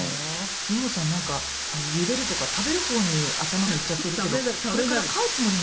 ミホさん何かあのゆでるとか食べる方に頭がいっちゃってるけどこれから飼うつもりなのよね？